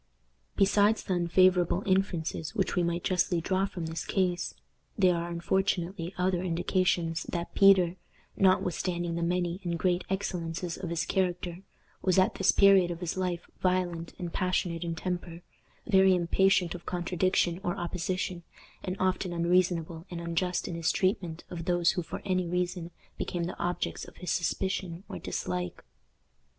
Besides the unfavorable inferences which we might justly draw from this case, there are unfortunately other indications that Peter, notwithstanding the many and great excellences of his character, was at this period of his life violent and passionate in temper, very impatient of contradiction or opposition, and often unreasonable and unjust in his treatment of those who for any reason became the objects of his suspicion or dislike.